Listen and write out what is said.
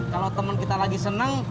kalau temen kita lagi seneng